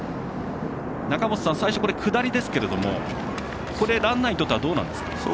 中本さん、最初これ下りですけれどもランナーにとってはどうなんですか？